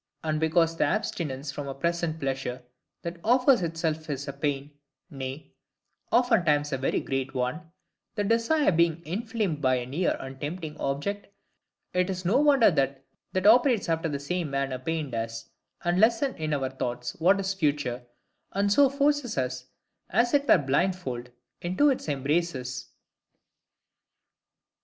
And because the abstinence from a present pleasure that offers itself is a pain, nay, oftentimes a very great one, the desire being inflamed by a near and tempting object, it is no wonder that that operates after the same manner pain does, and lessens in our thoughts what is future; and so forces us, as it were blindfold, into its embraces.